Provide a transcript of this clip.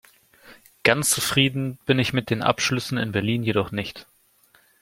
Ganz zufrieden bin ich mit den Abschlüssen in Berlin jedoch nicht.